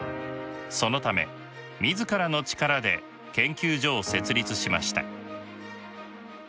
そのため自らの力で研究所を設立しました。